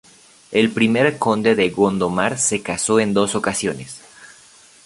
El I Conde de Gondomar se casó en dos ocasiones.